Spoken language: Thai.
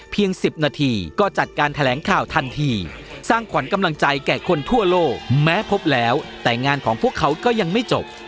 ๑๐นาทีก็จัดการแถลงข่าวทันทีสร้างขวัญกำลังใจแก่คนทั่วโลกแม้พบแล้วแต่งานของพวกเขาก็ยังไม่จบ